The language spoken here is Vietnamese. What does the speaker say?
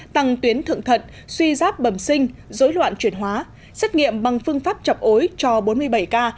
tăng tuyến thượng thận suy giáp bẩm sinh dối loạn chuyển hóa xét nghiệm bằng phương pháp chọc ối cho bốn mươi bảy ca